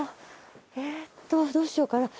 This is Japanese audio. えーっとどうしようかな？